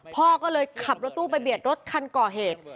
พ่อก็เลยขับรถตู้ไปเบียดรถคันก่อเหตุ